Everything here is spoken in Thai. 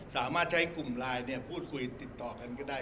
สามารถใช้กลุ่มไลน์พูดคุยติดต่อกันก็ได้